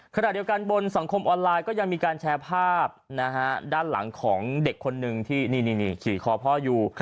ขณะเดียวกันบนสังคมออนไลน์ก็ยังมีการแชร์ภาพด้านหลังของเด็กคนหนึ่งที่นี่ขี่คอพ่ออยู่